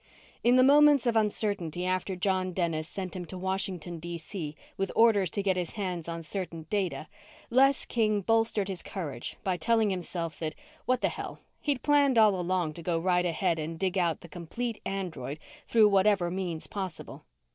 In the moments of uncertainty after John Dennis sent him to Washington, D.C. with orders to get his hands on certain data, Les King bolstered his courage by telling himself that, what the hell, he'd planned all along to go right ahead and dig out the complete android through whatever means possible.